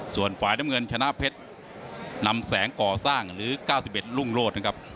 ส่วนฝ่ายน้ำเงินชนะเพชรนำแสงก่อสร้างหรือ๙๑รุ่งโลศนะครับ